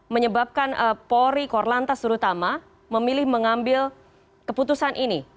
menyebabkan polri korlantas terutama memilih mengambil keputusan ini